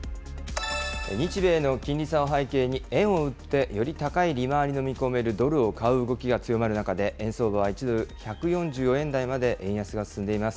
日米の金利差を背景に、円を売ってより高い利回りを見込めるドルを買う動きが強まる中で、円相場は１ドル１４４円台まで円安が進んでいます。